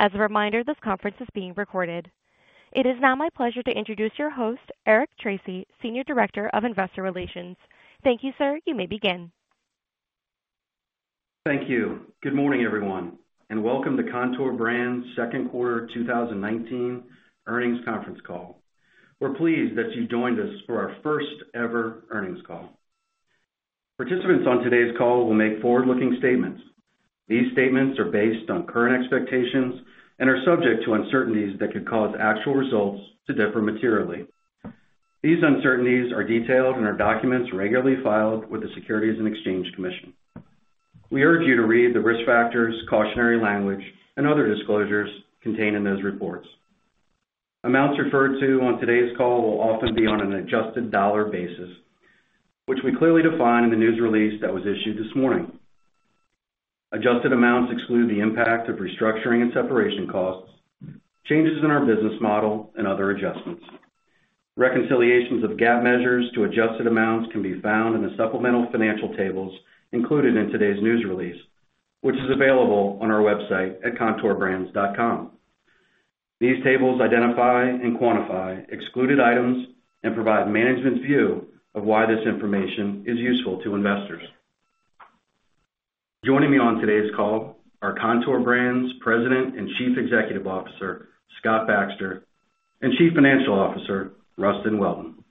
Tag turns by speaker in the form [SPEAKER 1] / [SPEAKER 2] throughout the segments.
[SPEAKER 1] As a reminder, this conference is being recorded. It is now my pleasure to introduce your host, Eric Tracy, Senior Director of Investor Relations. Thank you, sir. You may begin.
[SPEAKER 2] Thank you. Good morning, everyone, and welcome to Kontoor Brands' second quarter 2019 earnings conference call. We're pleased that you joined us for our first ever earnings call. Participants on today's call will make forward-looking statements. These statements are based on current expectations and are subject to uncertainties that could cause actual results to differ materially. These uncertainties are detailed in our documents regularly filed with the Securities and Exchange Commission. We urge you to read the risk factors, cautionary language, and other disclosures contained in those reports. Amounts referred to on today's call will often be on an adjusted dollar basis, which we clearly define in the news release that was issued this morning. Adjusted amounts exclude the impact of restructuring and separation costs, changes in our business model, and other adjustments. Reconciliations of GAAP measures to adjusted amounts can be found in the supplemental financial tables included in today's news release, which is available on our website at kontoorbrands.com. These tables identify and quantify excluded items and provide management's view of why this information is useful to investors. Joining me on today's call are Kontoor Brands President and Chief Executive Officer, Scott Baxter, and Chief Financial Officer, Rustin Welton.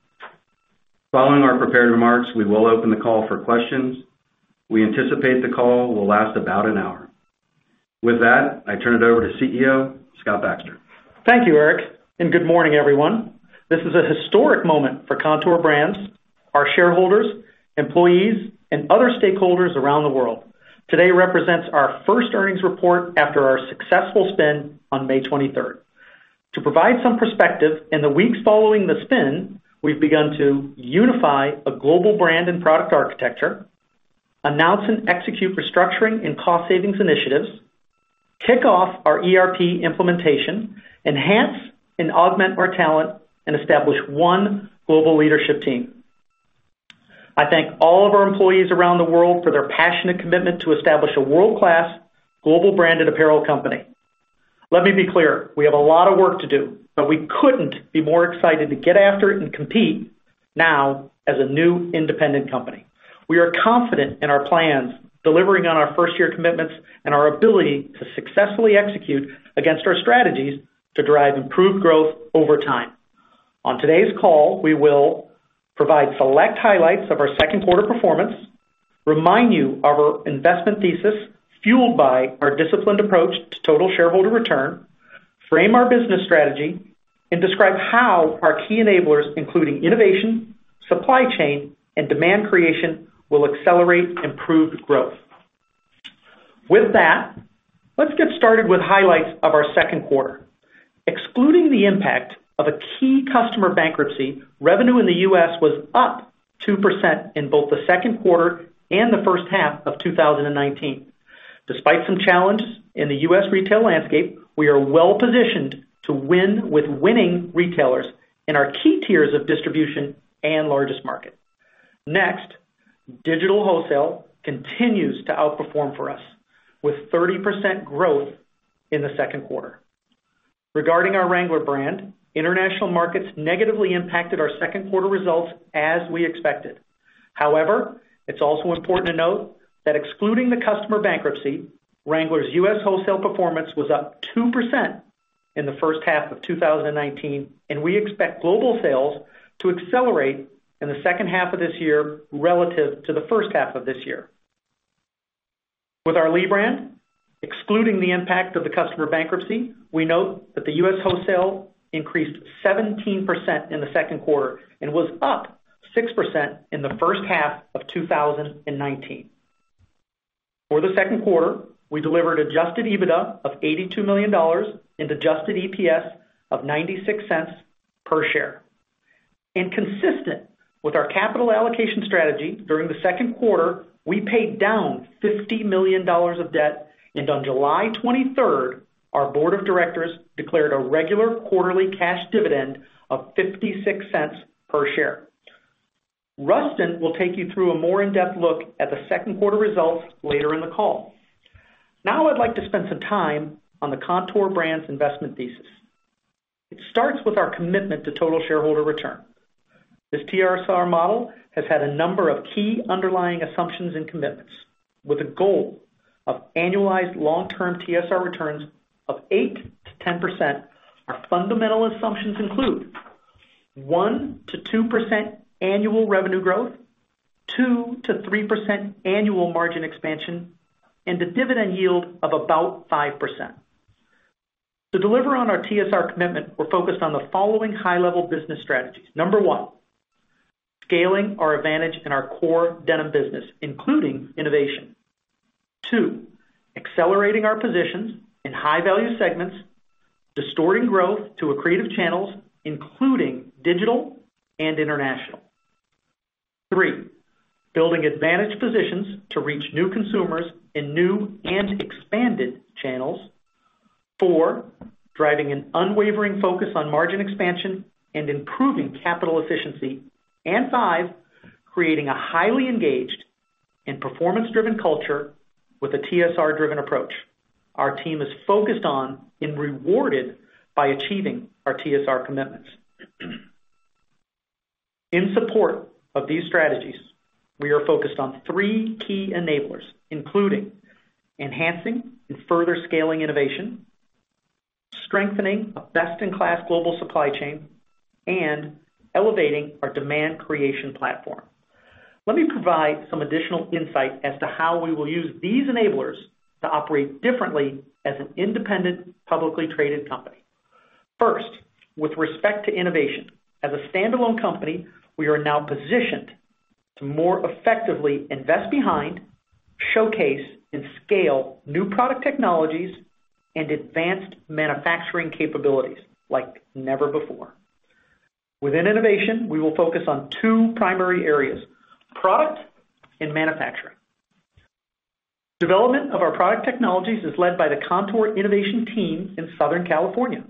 [SPEAKER 2] Following our prepared remarks, we will open the call for questions. We anticipate the call will last about an hour. With that, I turn it over to CEO, Scott Baxter.
[SPEAKER 3] Thank you, Eric, and good morning, everyone. This is a historic moment for Kontoor Brands, our shareholders, employees, and other stakeholders around the world. Today represents our first earnings report after our successful spin on May 23rd. To provide some perspective, in the weeks following the spin, we've begun to unify a global brand and product architecture, announce and execute restructuring and cost savings initiatives, kick off our ERP implementation, enhance and augment our talent, and establish one global leadership team. I thank all of our employees around the world for their passion and commitment to establish a world-class global branded apparel company. Let me be clear, we have a lot of work to do, but we couldn't be more excited to get after it and compete now as a new independent company. We are confident in our plans, delivering on our first-year commitments and our ability to successfully execute against our strategies to drive improved growth over time. On today's call, we will provide select highlights of our second quarter performance, remind you of our investment thesis fueled by our disciplined approach to total shareholder return, frame our business strategy, and describe how our key enablers, including innovation, supply chain, and demand creation, will accelerate improved growth. With that, let's get started with highlights of our second quarter. Excluding the impact of a key customer bankruptcy, revenue in the U.S. was up 2% in both the second quarter and the first half of 2019. Despite some challenge in the U.S. retail landscape, we are well-positioned to win with winning retailers in our key tiers of distribution and largest market. Next, digital wholesale continues to outperform for us, with 30% growth in the second quarter. Regarding our Wrangler brand, international markets negatively impacted our second quarter results as we expected. However, it's also important to note that excluding the customer bankruptcy, Wrangler's U.S. wholesale performance was up 2% in the first half of 2019, and we expect global sales to accelerate in the second half of this year relative to the first half of this year. With our Lee brand, excluding the impact of the customer bankruptcy, we note that the U.S. wholesale increased 17% in the second quarter and was up 6% in the first half of 2019. For the second quarter, we delivered adjusted EBITDA of $82 million and adjusted EPS of $0.96 per share. Consistent with our capital allocation strategy, during the second quarter, we paid down $50 million of debt, and on July 23rd, our board of directors declared a regular quarterly cash dividend of $0.56 per share. Rustin will take you through a more in-depth look at the second quarter results later in the call. I'd like to spend some time on the Kontoor Brands investment thesis. It starts with our commitment to total shareholder return. This TSR model has had a number of key underlying assumptions and commitments. With a goal of annualized long-term TSR returns of 8%-10%, our fundamental assumptions include 1%-2% annual revenue growth, 2%-3% annual margin expansion, and a dividend yield of about 5%. To deliver on our TSR commitment, we're focused on the following high-level business strategies. Number one, scaling our advantage in our core denim business, including innovation. Two, accelerating our positions in high-value segments, distorting growth to accretive channels, including digital and international. Three, building advantage positions to reach new consumers in new and expanded channels. Four, driving an unwavering focus on margin expansion and improving capital efficiency. Five, creating a highly engaged and performance-driven culture with a TSR-driven approach. Our team is focused on and rewarded by achieving our TSR commitments. In support of these strategies, we are focused on three key enablers, including enhancing and further scaling innovation, strengthening a best-in-class global supply chain, and elevating our demand creation platform. Let me provide some additional insight as to how we will use these enablers to operate differently as an independent, publicly traded company. First, with respect to innovation. As a standalone company, we are now positioned to more effectively invest behind, showcase, and scale new product technologies and advanced manufacturing capabilities like never before. Within innovation, we will focus on two primary areas, product and manufacturing. Development of our product technologies is led by the Kontoor innovation team in Southern California.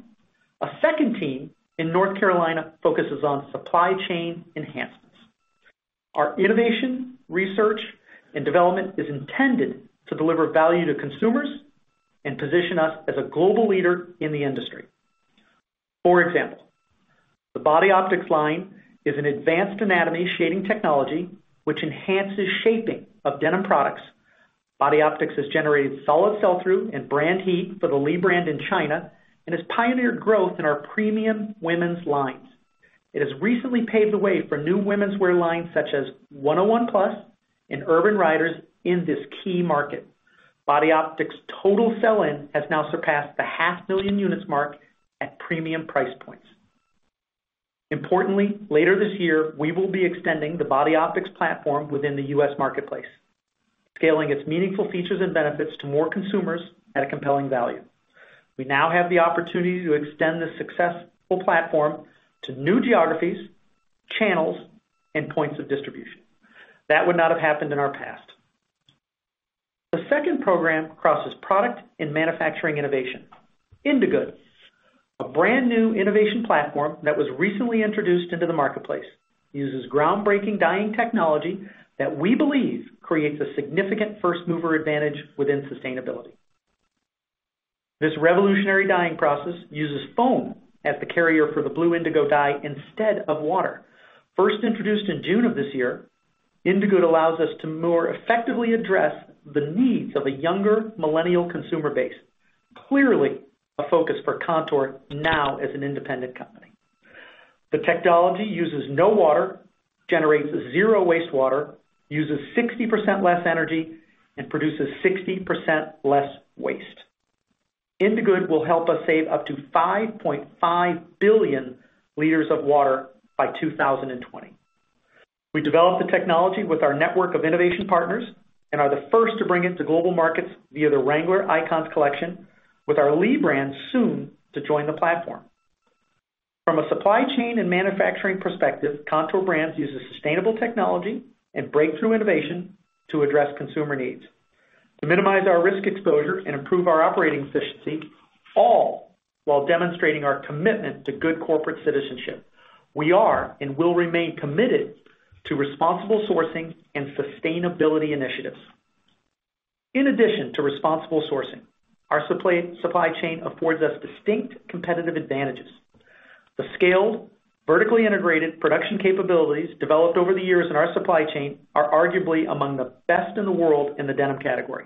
[SPEAKER 3] A second team in North Carolina focuses on supply chain enhancements. Our innovation, research, and development is intended to deliver value to consumers and position us as a global leader in the industry. For example, the Body Optix line is an advanced anatomy shading technology, which enhances shaping of denim products. Body Optix has generated solid sell-through and brand heat for the Lee brand in China and has pioneered growth in our premium women's lines. It has recently paved the way for new womenswear lines, such as 101+ and Urban Riders in this key market. Body Optix total sell-in has now surpassed the half million units mark at premium price points. Importantly, later this year, we will be extending the Body Optix platform within the U.S. marketplace, scaling its meaningful features and benefits to more consumers at a compelling value. We now have the opportunity to extend this successful platform to new geographies, channels, and points of distribution. That would not have happened in our past. The second program crosses product and manufacturing innovation. Indigood, a brand-new innovation platform that was recently introduced into the marketplace, uses groundbreaking dyeing technology that we believe creates a significant first-mover advantage within sustainability. This revolutionary dyeing process uses foam as the carrier for the blue indigo dye instead of water. First introduced in June of this year, Indigood allows us to more effectively address the needs of a younger millennial consumer base. Clearly, a focus for Kontoor now as an independent company. The technology uses no water, generates zero wastewater, uses 60% less energy, and produces 60% less waste. Indigood will help us save up to 5.5 billion liters of water by 2020. We developed the technology with our network of innovation partners and are the first to bring it to global markets via the Wrangler Icons collection with our Lee brand soon to join the platform. From a supply chain and manufacturing perspective, Kontoor Brands uses sustainable technology and breakthrough innovation to address consumer needs, to minimize our risk exposure, and improve our operating efficiency, all while demonstrating our commitment to good corporate citizenship. We are and will remain committed to responsible sourcing and sustainability initiatives. In addition to responsible sourcing, our supply chain affords us distinct competitive advantages. The scaled, vertically integrated production capabilities developed over the years in our supply chain are arguably among the best in the world in the denim category.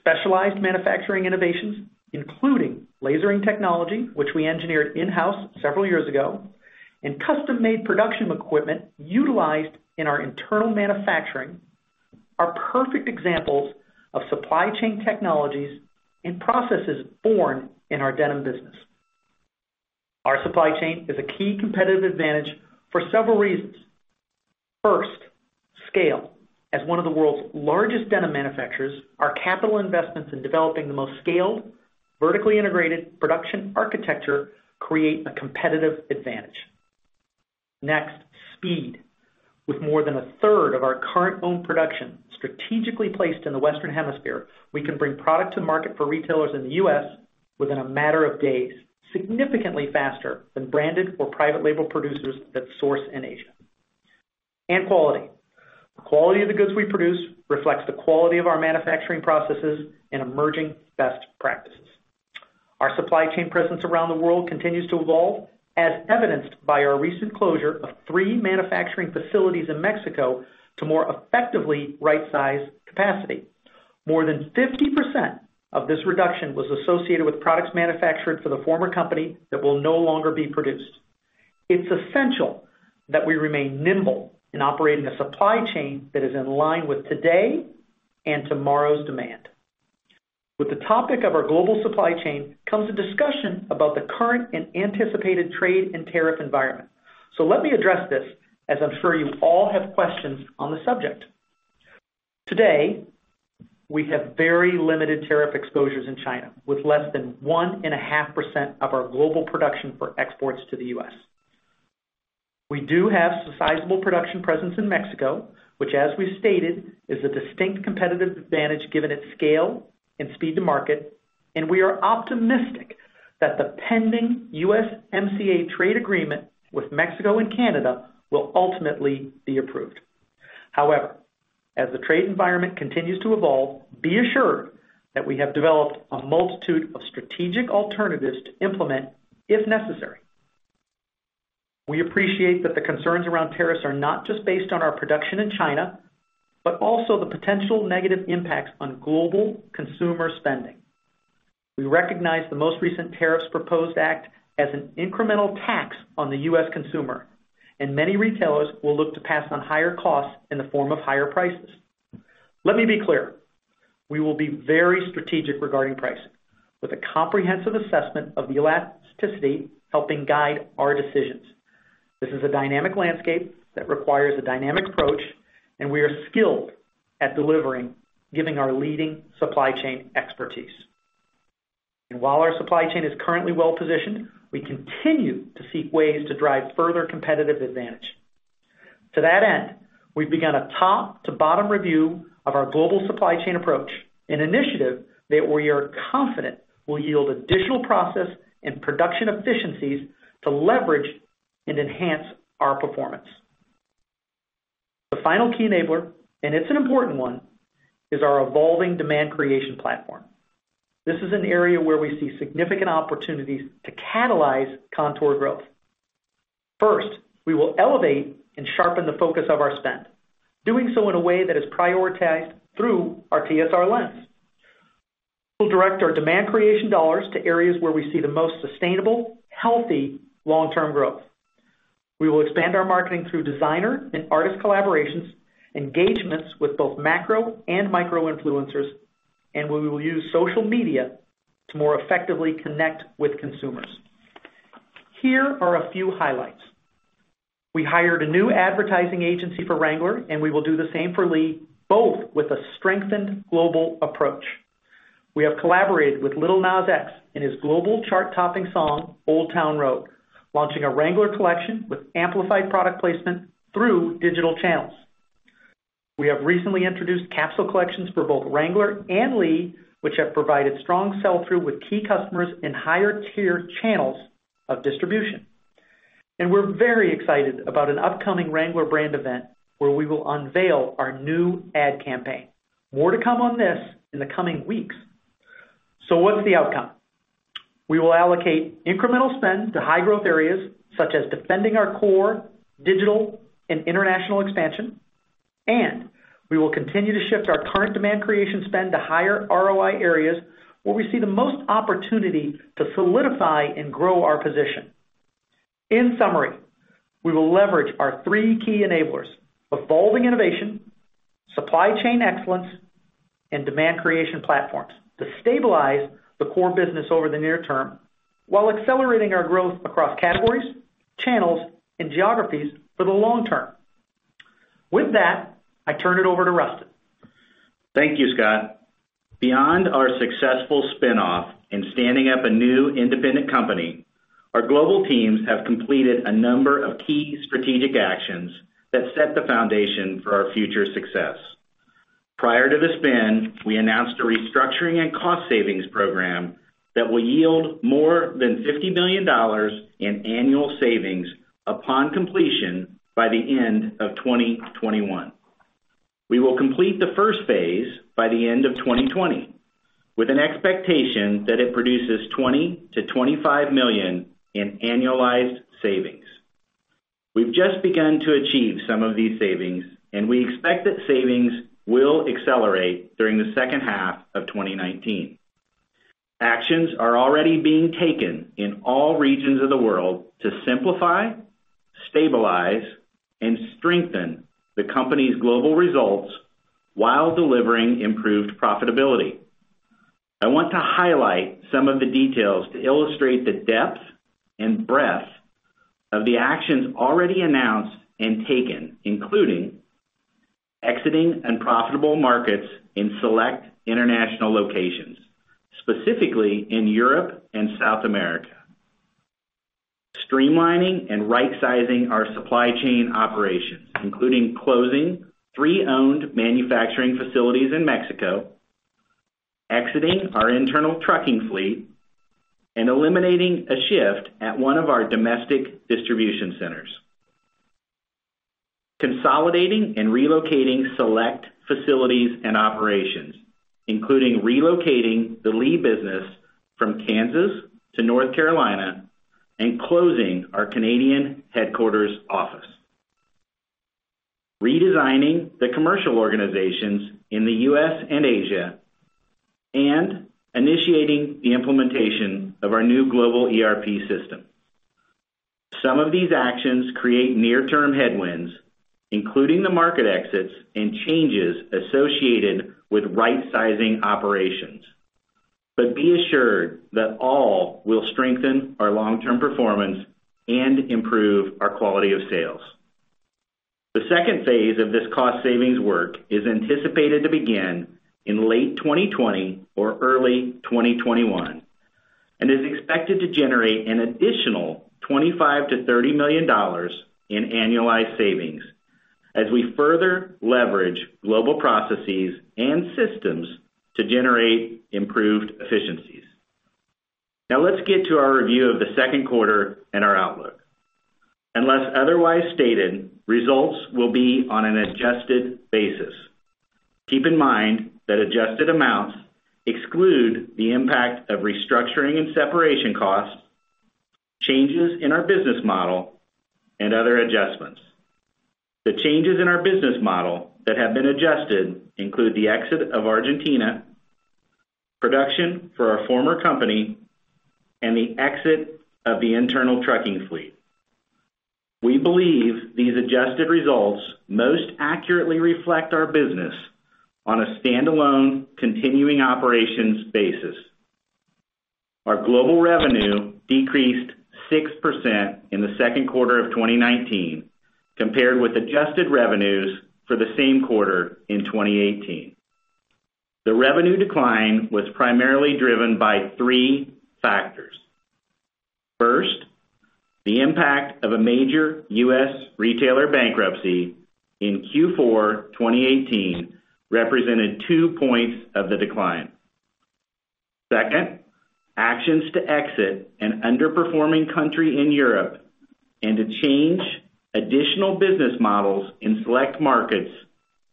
[SPEAKER 3] Specialized manufacturing innovations, including lasering technology, which we engineered in-house several years ago, and custom-made production equipment utilized in our internal manufacturing, are perfect examples of supply chain technologies and processes born in our denim business. Our supply chain is a key competitive advantage for several reasons. First, scale. As one of the world's largest denim manufacturers, our capital investments in developing the most scaled, vertically integrated production architecture create a competitive advantage. Next, speed. With more than a third of our current owned production strategically placed in the Western Hemisphere, we can bring product to market for retailers in the U.S. within a matter of days, significantly faster than branded or private label producers that source in Asia. Quality. The quality of the goods we produce reflects the quality of our manufacturing processes and emerging best practices. Our supply chain presence around the world continues to evolve, as evidenced by our recent closure of three manufacturing facilities in Mexico to more effectively rightsize capacity. More than 50% of this reduction was associated with products manufactured for the former company that will no longer be produced. It's essential that we remain nimble in operating a supply chain that is in line with today and tomorrow's demand. With the topic of our global supply chain comes a discussion about the current and anticipated trade and tariff environment. Let me address this, as I'm sure you all have questions on the subject. Today, we have very limited tariff exposures in China, with less than 1.5% of our global production for exports to the U.S. We do have a sizable production presence in Mexico, which as we've stated, is a distinct competitive advantage given its scale and speed to market, and we are optimistic that the pending USMCA trade agreement with Mexico and Canada will ultimately be approved. However, as the trade environment continues to evolve, be assured that we have developed a multitude of strategic alternatives to implement if necessary. We appreciate that the concerns around tariffs are not just based on our production in China, but also the potential negative impacts on global consumer spending. We recognize the most recent tariffs proposed act as an incremental tax on the U.S. consumer, and many retailers will look to pass on higher costs in the form of higher prices. Let me be clear. We will be very strategic regarding pricing, with a comprehensive assessment of the elasticity helping guide our decisions. This is a dynamic landscape that requires a dynamic approach, and we are skilled at delivering, given our leading supply chain expertise. While our supply chain is currently well-positioned, we continue to seek ways to drive further competitive advantage. To that end, we've begun a top-to-bottom review of our global supply chain approach, an initiative that we are confident will yield additional process and production efficiencies to leverage and enhance our performance. The final key enabler, and it's an important one, is our evolving demand creation platform. This is an area where we see significant opportunities to catalyze Kontoor growth. First, we will elevate and sharpen the focus of our spend, doing so in a way that is prioritized through our TSR lens. We'll direct our demand creation dollars to areas where we see the most sustainable, healthy, long-term growth. We will expand our marketing through designer and artist collaborations, engagements with both macro and micro-influencers, and we will use social media to more effectively connect with consumers. Here are a few highlights. We hired a new advertising agency for Wrangler, and we will do the same for Lee, both with a strengthened global approach. We have collaborated with Lil Nas X in his global chart-topping song, "Old Town Road," launching a Wrangler collection with amplified product placement through digital channels. We have recently introduced capsule collections for both Wrangler and Lee, which have provided strong sell-through with key customers in higher tier channels of distribution. We're very excited about an upcoming Wrangler brand event where we will unveil our new ad campaign. More to come on this in the coming weeks. What's the outcome? We will allocate incremental spend to high-growth areas such as defending our core digital and international expansion. We will continue to shift our current demand creation spend to higher ROI areas where we see the most opportunity to solidify and grow our position. In summary, we will leverage our three key enablers: evolving innovation, supply chain excellence, and demand creation platforms to stabilize the core business over the near term while accelerating our growth across categories, channels, and geographies for the long term. With that, I turn it over to Rustin.
[SPEAKER 4] Thank you, Scott. Beyond our successful spin-off and standing up a new independent company, our global teams have completed a number of key strategic actions that set the foundation for our future success. Prior to the spin, we announced a restructuring and cost savings program that will yield more than $50 million in annual savings upon completion by the end of 2021. We will complete the first phase by the end of 2020, with an expectation that it produces $20 million-$25 million in annualized savings. We've just begun to achieve some of these savings, we expect that savings will accelerate during the second half of 2019. Actions are already being taken in all regions of the world to simplify, stabilize, and strengthen the company's global results while delivering improved profitability. I want to highlight some of the details to illustrate the depth and breadth of the actions already announced and taken, including exiting unprofitable markets in select international locations, specifically in Europe and South America. Streamlining and right-sizing our supply chain operations, including closing three owned manufacturing facilities in Mexico, exiting our internal trucking fleet, and eliminating a shift at one of our domestic distribution centers. Consolidating and relocating select facilities and operations, including relocating the Lee business from Kansas to North Carolina and closing our Canadian headquarters office. Redesigning the commercial organizations in the U.S. and Asia, and initiating the implementation of our new global ERP system. Some of these actions create near-term headwinds, including the market exits and changes associated with right-sizing operations. Be assured that all will strengthen our long-term performance and improve our quality of sales. The second phase of this cost savings work is anticipated to begin in late 2020 or early 2021, and is expected to generate an additional $25 million-$30 million in annualized savings as we further leverage global processes and systems to generate improved efficiencies. Now let's get to our review of the second quarter and our outlook. Unless otherwise stated, results will be on an adjusted basis. Keep in mind that adjusted amounts exclude the impact of restructuring and separation costs, changes in our business model, and other adjustments. The changes in our business model that have been adjusted include the exit of Argentina, production for our former company, and the exit of the internal trucking fleet. We believe these adjusted results most accurately reflect our business on a standalone continuing operations basis. Our global revenue decreased 6% in the second quarter of 2019 compared with adjusted revenues for the same quarter in 2018. The revenue decline was primarily driven by three factors. First, the impact of a major U.S. retailer bankruptcy in Q4 2018 represented two points of the decline. Second, actions to exit an underperforming country in Europe and to change additional business models in select markets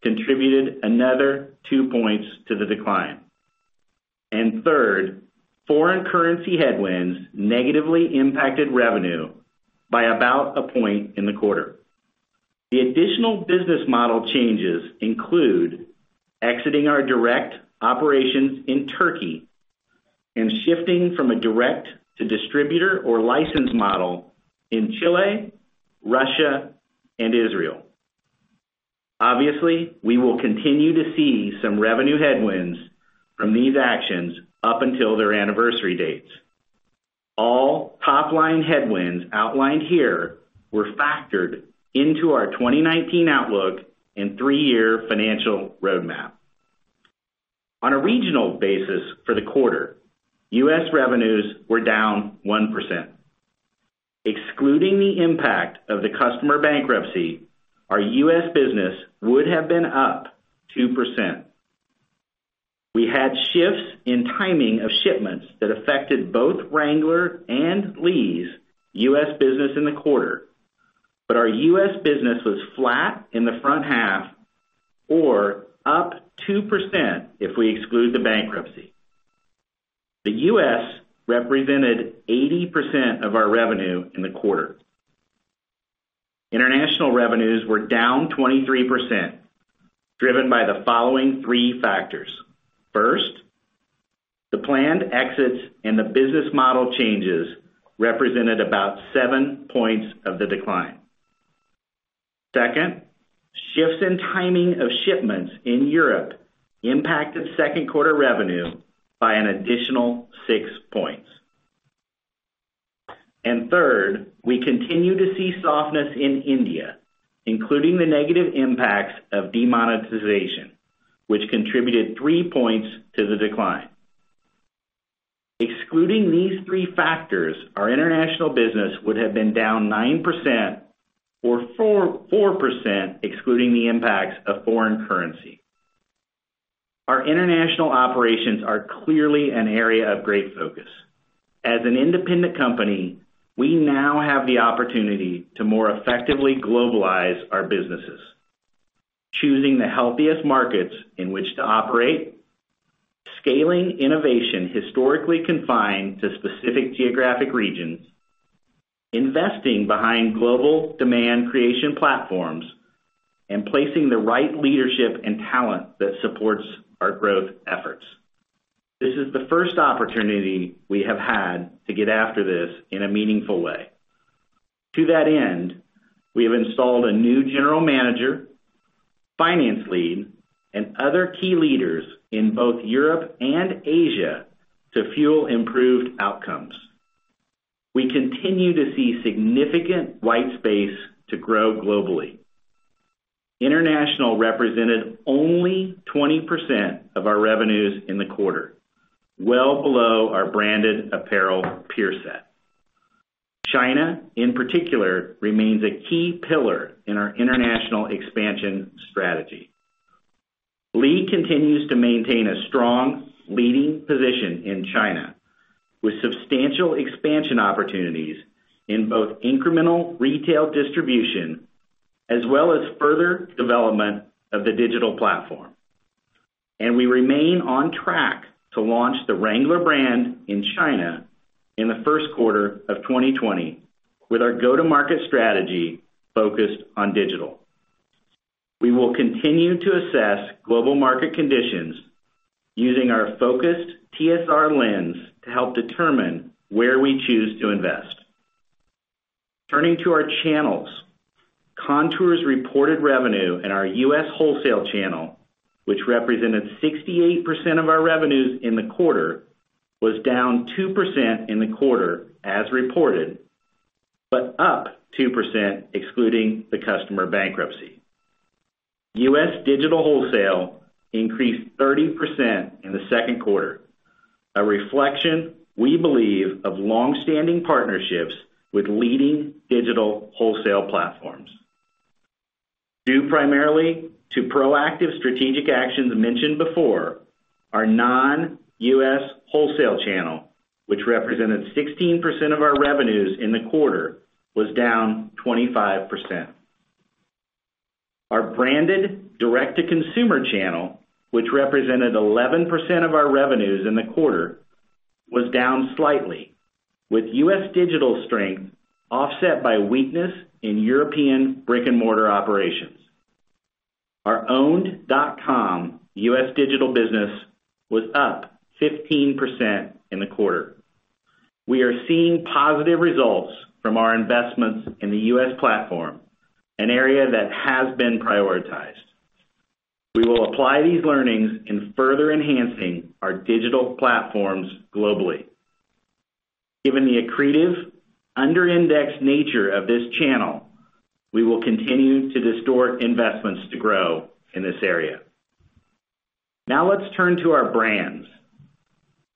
[SPEAKER 4] contributed another two points to the decline. Third, foreign currency headwinds negatively impacted revenue by about a point in the quarter. The additional business model changes include exiting our direct operations in Turkey and shifting from a direct to distributor or license model in Chile, Russia, and Israel. Obviously, we will continue to see some revenue headwinds from these actions up until their anniversary dates. All top-line headwinds outlined here were factored into our 2019 outlook and three-year financial roadmap. On a regional basis for the quarter, U.S. revenues were down 1%. Excluding the impact of the customer bankruptcy, our U.S. business would have been up 2%. We had shifts in timing of shipments that affected both Wrangler and Lee's U.S. business in the quarter, but our U.S. business was flat in the front half or up 2% if we exclude the bankruptcy. The U.S. represented 80% of our revenue in the quarter. International revenues were down 23%, driven by the following three factors. First, the planned exits and the business model changes represented about 7 points of the decline. Second, shifts in timing of shipments in Europe impacted second quarter revenue by an additional 6 points. Third, we continue to see softness in India, including the negative impacts of demonetization, which contributed 3 points to the decline. Excluding these three factors, our international business would have been down 9% or 4% excluding the impacts of foreign currency. Our international operations are clearly an area of great focus. As an independent company, we now have the opportunity to more effectively globalize our businesses, choosing the healthiest markets in which to operate, scaling innovation historically confined to specific geographic regions, investing behind global demand creation platforms, and placing the right leadership and talent that supports our growth efforts. This is the first opportunity we have had to get after this in a meaningful way. To that end, we have installed a new general manager, finance lead, and other key leaders in both Europe and Asia to fuel improved outcomes. We continue to see significant white space to grow globally. International represented only 20% of our revenues in the quarter, well below our branded apparel peer set. China, in particular, remains a key pillar in our international expansion strategy. Lee continues to maintain a strong leading position in China with substantial expansion opportunities in both incremental retail distribution, as well as further development of the digital platform. We remain on track to launch the Wrangler brand in China in the first quarter of 2020 with our go-to-market strategy focused on digital. We will continue to assess global market conditions using our focused TSR lens to help determine where we choose to invest. Turning to our channels, Kontoor's reported revenue in our U.S. wholesale channel, which represented 68% of our revenues in the quarter, was down 2% in the quarter as reported, but up 2% excluding the customer bankruptcy. U.S. digital wholesale increased 30% in the second quarter, a reflection we believe of longstanding partnerships with leading digital wholesale platforms. Due primarily to proactive strategic actions mentioned before, our non-U.S. wholesale channel, which represented 16% of our revenues in the quarter, was down 25%. Our branded direct-to-consumer channel, which represented 11% of our revenues in the quarter, was down slightly, with U.S. digital strength offset by weakness in European brick-and-mortar operations. Our owned dot-com U.S. digital business was up 15% in the quarter. We are seeing positive results from our investments in the U.S. platform, an area that has been prioritized. We will apply these learnings in further enhancing our digital platforms globally. Given the accretive, under-indexed nature of this channel, we will continue to distort investments to grow in this area. Now let's turn to our brands.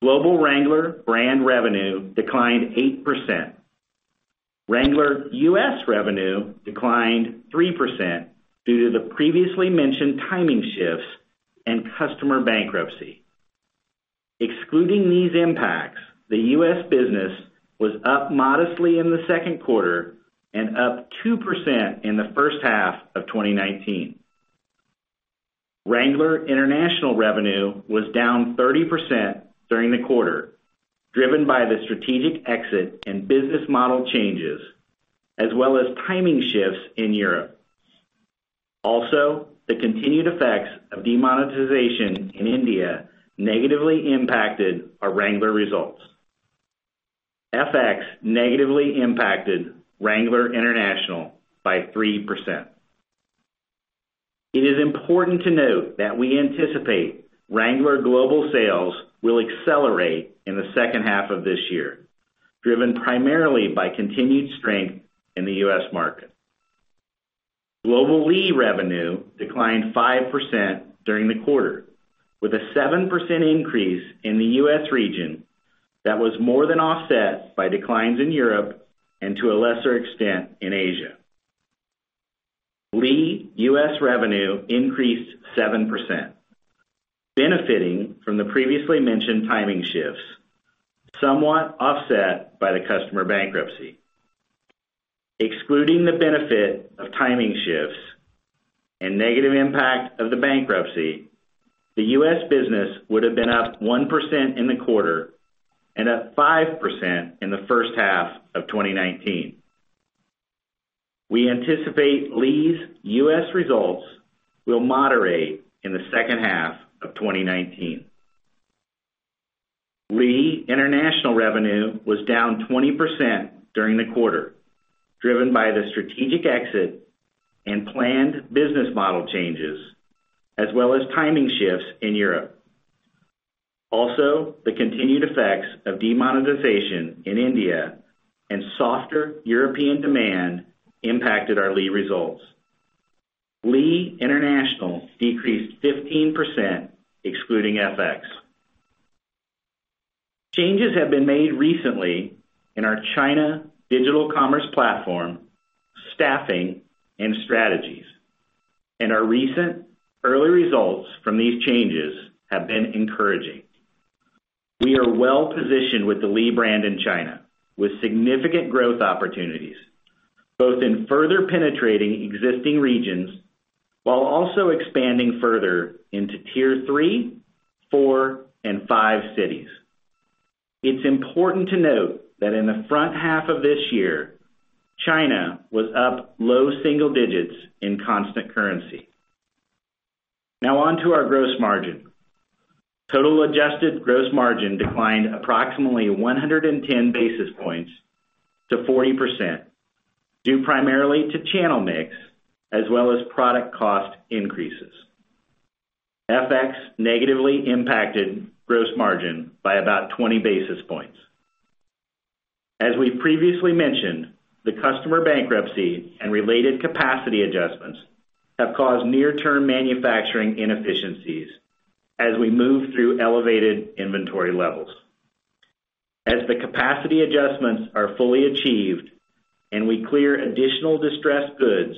[SPEAKER 4] Global Wrangler brand revenue declined 8%. Wrangler U.S. revenue declined 3% due to the previously mentioned timing shifts and customer bankruptcy. Excluding these impacts, the U.S. business was up modestly in the second quarter and up 2% in the first half of 2019. Wrangler International revenue was down 30% during the quarter, driven by the strategic exit and business model changes, as well as timing shifts in Europe. Also, the continued effects of demonetization in India negatively impacted our Wrangler results. FX negatively impacted Wrangler International by 3%. It is important to note that we anticipate Wrangler global sales will accelerate in the second half of this year, driven primarily by continued strength in the U.S. market. Global Lee revenue declined 5% during the quarter, with a 7% increase in the U.S. region that was more than offset by declines in Europe and to a lesser extent, in Asia. Lee U.S. revenue increased 7%, benefiting from the previously mentioned timing shifts, somewhat offset by the customer bankruptcy. Excluding the benefit of timing shifts and negative impact of the bankruptcy, the U.S. business would've been up 1% in the quarter and up 5% in the first half of 2019. We anticipate Lee's U.S. results will moderate in the second half of 2019. Lee International revenue was down 20% during the quarter, driven by the strategic exit and planned business model changes, as well as timing shifts in Europe. The continued effects of demonetization in India and softer European demand impacted our Lee results. Lee International decreased 15%, excluding FX. Changes have been made recently in our China digital commerce platform, staffing, and strategies. Our recent early results from these changes have been encouraging. We are well-positioned with the Lee brand in China, with significant growth opportunities both in further penetrating existing regions while also expanding further into tier 3, 4, and 5 cities. It's important to note that in the front half of this year, China was up low single digits in constant currency. Now on to our gross margin. Total adjusted gross margin declined approximately 110 basis points to 40%, due primarily to channel mix as well as product cost increases. FX negatively impacted gross margin by about 20 basis points. As we previously mentioned, the customer bankruptcy and related capacity adjustments have caused near-term manufacturing inefficiencies as we move through elevated inventory levels. As the capacity adjustments are fully achieved and we clear additional distressed goods,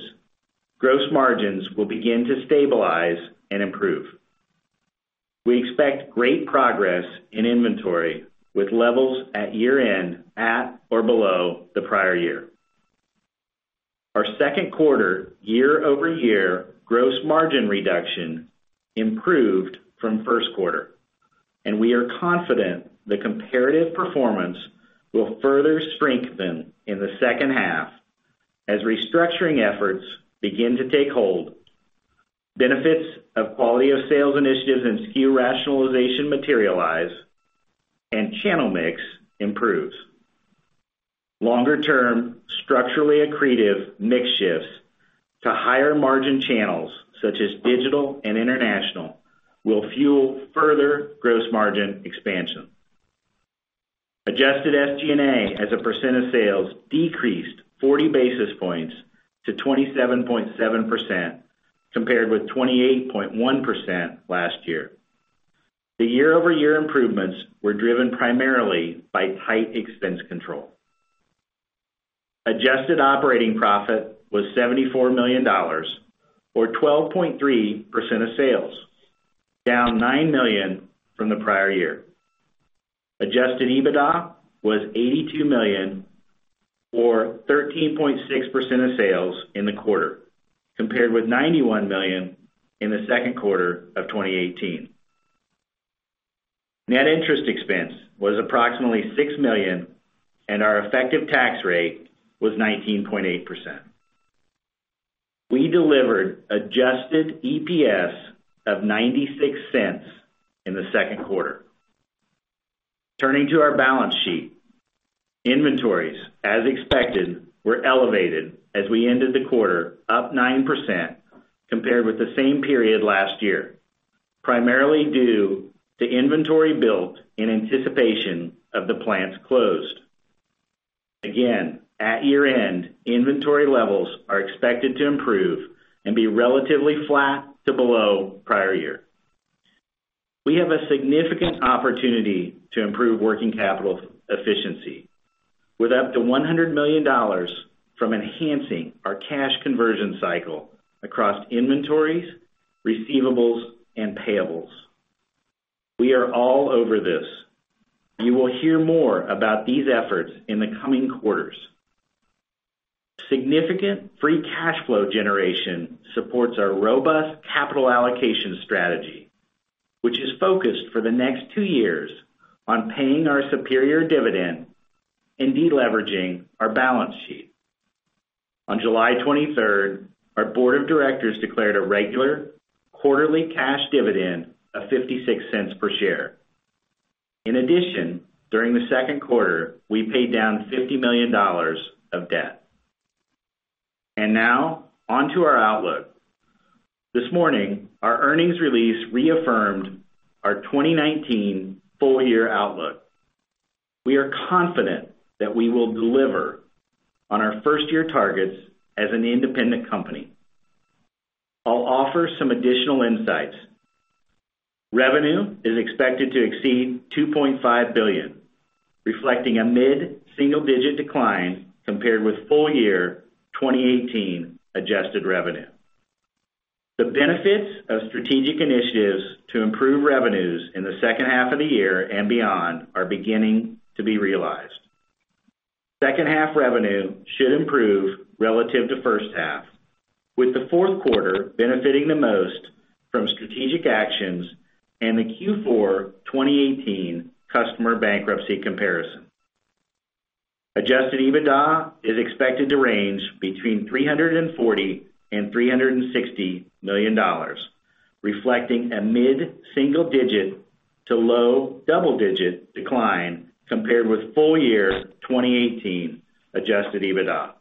[SPEAKER 4] gross margins will begin to stabilize and improve. We expect great progress in inventory with levels at year-end at or below the prior year. Our second quarter year-over-year gross margin reduction improved from first quarter, and we are confident the comparative performance will further strengthen in the second half as restructuring efforts begin to take hold, benefits of quality of sales initiatives and SKU rationalization materialize, and channel mix improves. Longer-term, structurally accretive mix shifts to higher margin channels, such as digital and international, will fuel further gross margin expansion. Adjusted SG&A as a percent of sales decreased 40 basis points to 27.7%, compared with 28.1% last year. The year-over-year improvements were driven primarily by tight expense control. Adjusted operating profit was $74 million, or 12.3% of sales, down $9 million from the prior year. Adjusted EBITDA was $82 million, or 13.6% of sales in the quarter, compared with $91 million in the second quarter of 2018. Net interest expense was approximately $6 million, and our effective tax rate was 19.8%. We delivered adjusted EPS of $0.96 in the second quarter. Turning to our balance sheet. Inventories, as expected, were elevated as we ended the quarter up 9% compared with the same period last year, primarily due to inventory built in anticipation of the plants closed. Again, at year-end, inventory levels are expected to improve and be relatively flat to below prior year. We have a significant opportunity to improve working capital efficiency with up to $100 million from enhancing our cash conversion cycle across inventories, receivables, and payables. We are all over this. You will hear more about these efforts in the coming quarters. Significant free cash flow generation supports our robust capital allocation strategy, which is focused for the next 2 years on paying our superior dividend and de-leveraging our balance sheet. On July 23rd, our board of directors declared a regular quarterly cash dividend of $0.56 per share. In addition, during the second quarter, we paid down $50 million of debt. Now, on to our outlook. This morning, our earnings release reaffirmed our 2019 full-year outlook. We are confident that we will deliver on our first-year targets as an independent company. I'll offer some additional insights. Revenue is expected to exceed $2.5 billion, reflecting a mid-single-digit decline compared with full-year 2018 adjusted revenue. The benefits of strategic initiatives to improve revenues in the second half of the year and beyond are beginning to be realized. Second half revenue should improve relative to first half, with the fourth quarter benefiting the most from strategic actions and the Q4 2018 customer bankruptcy comparison. Adjusted EBITDA is expected to range between $340 million and $360 million, reflecting a mid-single digit to low double-digit decline compared with full-year 2018 Adjusted EBITDA.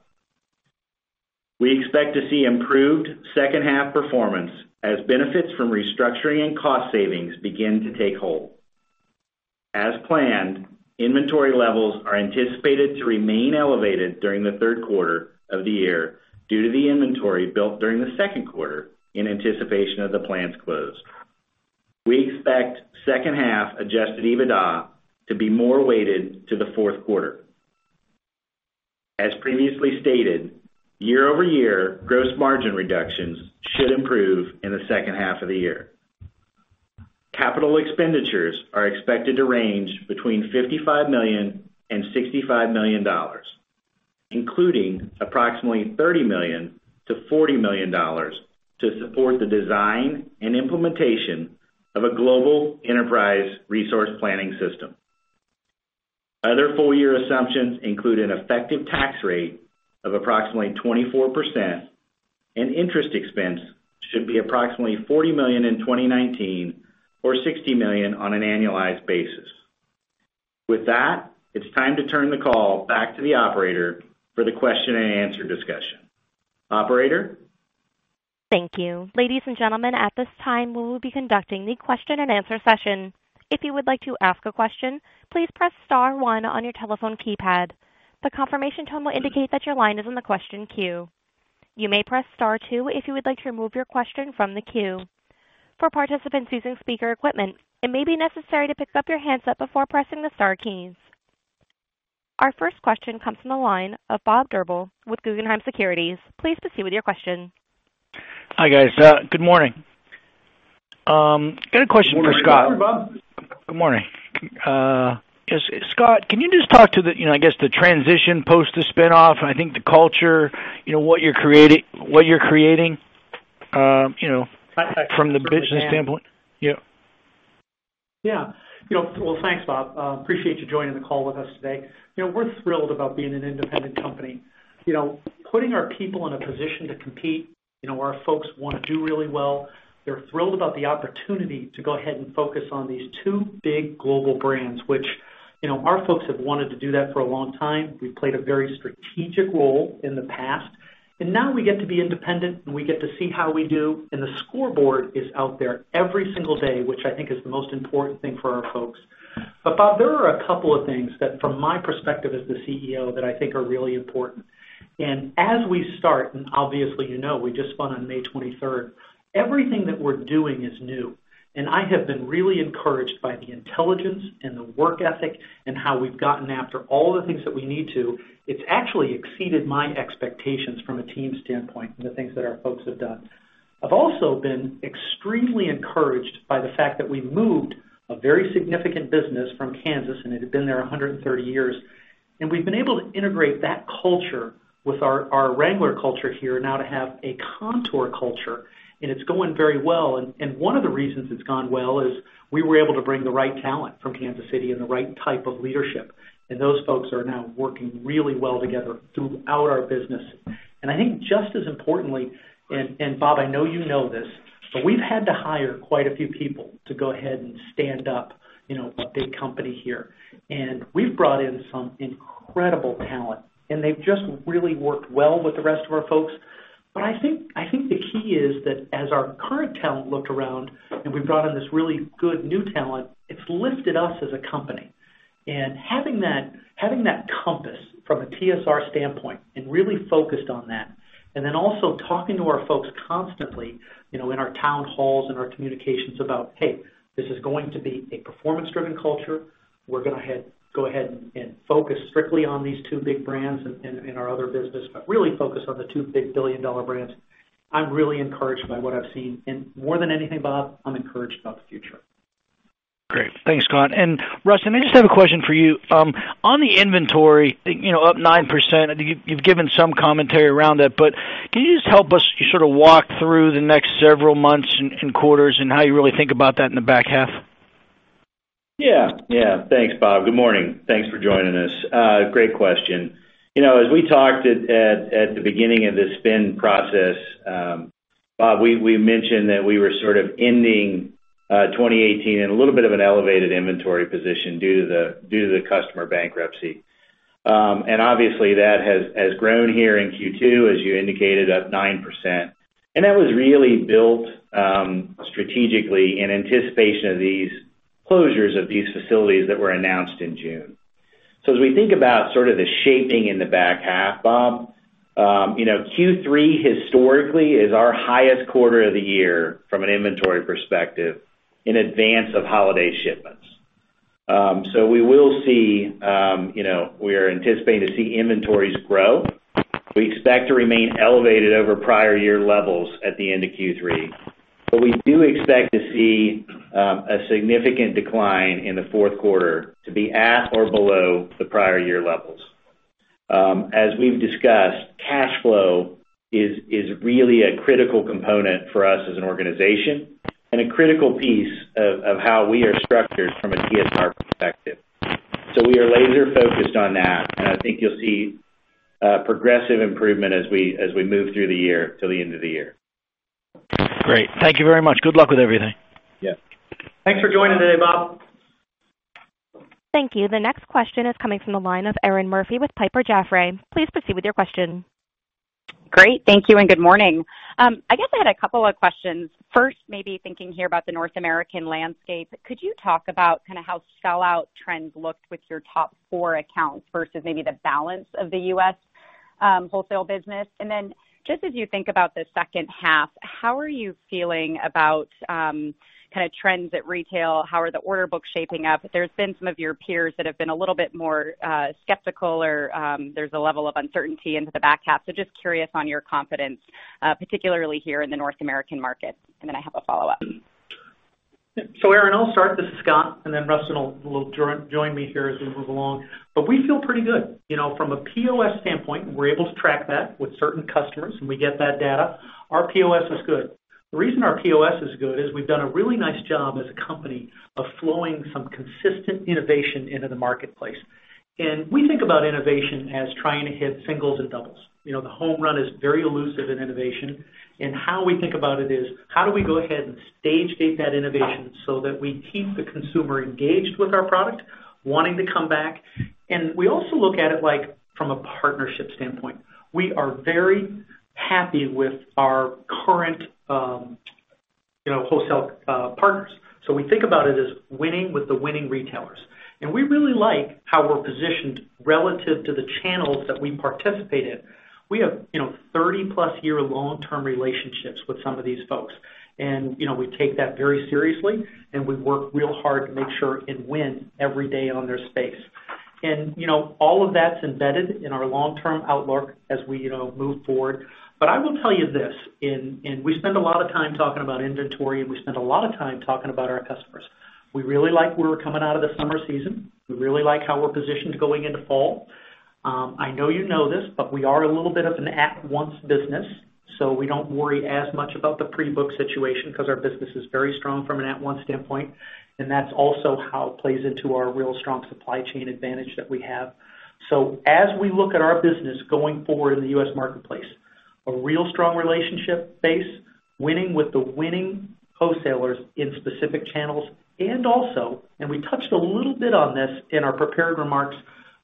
[SPEAKER 4] We expect to see improved second half performance as benefits from restructuring and cost savings begin to take hold. As planned, inventory levels are anticipated to remain elevated during the third quarter of the year due to the inventory built during the second quarter in anticipation of the plants closed. We expect second half Adjusted EBITDA to be more weighted to the fourth quarter. As previously stated, year-over-year gross margin reductions should improve in the second half of the year. Capital expenditures are expected to range between $55 million and $65 million, including approximately $30 million-$40 million to support the design and implementation of a global enterprise resource planning system. Other full-year assumptions include an effective tax rate of approximately 24%, and interest expense should be approximately $40 million in 2019 or $60 million on an annualized basis. With that, it's time to turn the call back to the operator for the question and answer discussion. Operator?
[SPEAKER 1] Thank you. Ladies and gentlemen, at this time, we will be conducting the question and answer session. If you would like to ask a question, please press star one on your telephone keypad. The confirmation tone will indicate that your line is in the question queue. You may press star two if you would like to remove your question from the queue. For participants using speaker equipment, it may be necessary to pick up your handset before pressing the star keys. Our first question comes from the line of Bob Drbul with Guggenheim Securities. Please proceed with your question.
[SPEAKER 5] Hi, guys. Good morning. Got a question for Scott.
[SPEAKER 4] Morning, Bob.
[SPEAKER 5] Good morning. Scott, can you just talk to, I guess, the transition post the spin-off, and I think the culture, what you're creating from the business standpoint? Yeah.
[SPEAKER 3] Yeah. Well, thanks, Bob. Appreciate you joining the call with us today. We're thrilled about being an independent company. Putting our people in a position to compete, where our folks want to do really well. They're thrilled about the opportunity to go ahead and focus on these two big global brands, which our folks have wanted to do that for a long time. We've played a very strategic role in the past, and now we get to be independent, and we get to see how we do. The scoreboard is out there every single day, which I think is the most important thing for our folks. Bob, there are a couple of things that, from my perspective as the CEO, that I think are really important. As we start, obviously, you know, we just spun on May 23rd. Everything that we're doing is new, and I have been really encouraged by the intelligence and the work ethic and how we've gotten after all the things that we need to. It's actually exceeded my expectations from a team standpoint and the things that our folks have done. I've also been extremely encouraged by the fact that we've moved a very significant business from Kansas, and it had been there 130 years. We've been able to integrate that culture with our Wrangler culture here now to have a Kontoor culture, and it's going very well. One of the reasons it's gone well is we were able to bring the right talent from Kansas City and the right type of leadership. Those folks are now working really well together throughout our business. I think just as importantly, Bob, I know you know this, we've had to hire quite a few people to go ahead and stand up a big company here. We've brought in some incredible talent, and they've just really worked well with the rest of our folks. I think the key is that as our current talent looked around and we've brought in this really good new talent, it's lifted us as a company. Having that compass from a TSR standpoint and really focused on that, and then also talking to our folks constantly in our town halls and our communications about, "Hey, this is going to be a performance-driven culture. We're going to go ahead and focus strictly on these two big brands and our other business," but really focus on the two big billion-dollar brands. I'm really encouraged by what I've seen. More than anything, Bob, I'm encouraged about the future.
[SPEAKER 5] Great. Thanks, Scott. Russ, I just have a question for you. On the inventory, up 9%, you've given some commentary around that, but can you just help us sort of walk through the next several months and quarters and how you really think about that in the back half?
[SPEAKER 4] Yeah. Thanks, Bob. Good morning. Thanks for joining us. Great question. As we talked at the beginning of this spin process, Bob, we mentioned that we were sort of ending 2018 in a little bit of an elevated inventory position due to the customer bankruptcy. Obviously, that has grown here in Q2, as you indicated, up 9%. That was really built strategically in anticipation of these closures of these facilities that were announced in June. As we think about sort of the shaping in the back half, Bob, Q3 historically is our highest quarter of the year from an inventory perspective in advance of holiday shipments. We are anticipating to see inventories grow. We expect to remain elevated over prior year levels at the end of Q3. We do expect to see a significant decline in the fourth quarter to be at or below the prior year levels. As we've discussed, cash flow is really a critical component for us as an organization and a critical piece of how we are structured from a TSR perspective. We are laser-focused on that, and I think you'll see progressive improvement as we move through the year till the end of the year.
[SPEAKER 5] Great. Thank you very much. Good luck with everything.
[SPEAKER 4] Yeah.
[SPEAKER 3] Thanks for joining today, Bob.
[SPEAKER 1] Thank you. The next question is coming from the line of Erinn Murphy with Piper Jaffray. Please proceed with your question.
[SPEAKER 6] Great. Thank you and good morning. I guess I had a couple of questions. First, maybe thinking here about the North American landscape, could you talk about how sellout trends looked with your top four accounts versus maybe the balance of the U.S. wholesale business? Then just as you think about the second half, how are you feeling about trends at retail? How are the order books shaping up? There's been some of your peers that have been a little bit more skeptical or there's a level of uncertainty into the back half. Just curious on your confidence, particularly here in the North American market. Then I have a follow-up.
[SPEAKER 3] Erinn, I'll start. This is Scott, and Rustin will join me here as we move along. We feel pretty good. From a POS standpoint, we're able to track that with certain customers, and we get that data. Our POS is good. The reason our POS is good is we've done a really nice job as a company of flowing some consistent innovation into the marketplace. We think about innovation as trying to hit singles and doubles. The home run is very elusive in innovation, and how we think about it is, how do we go ahead and stage-gate that innovation so that we keep the consumer engaged with our product, wanting to come back? We also look at it from a partnership standpoint. We are very happy with our current wholesale partners. We think about it as winning with the winning retailers. We really like how we're positioned relative to the channels that we participate in. We have 30-plus year long-term relationships with some of these folks, and we take that very seriously, and we work real hard to make sure and win every day on their space. All of that's embedded in our long-term outlook as we move forward. I will tell you this, and we spend a lot of time talking about inventory, and we spend a lot of time talking about our customers. We really like where we're coming out of the summer season. We really like how we're positioned going into fall. I know you know this, but we are a little bit of an at-once business, so we don't worry as much about the pre-book situation because our business is very strong from an at-once standpoint, and that's also how it plays into our real strong supply chain advantage that we have. As we look at our business going forward in the U.S. marketplace, a real strong relationship base, winning with the winning wholesalers in specific channels. We touched a little bit on this in our prepared remarks,